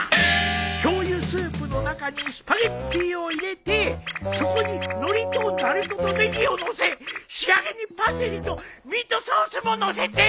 しょうゆスープの中にスパゲティを入れてそこにノリとなるととネギを載せ仕上げにパセリとミートソースも載せて。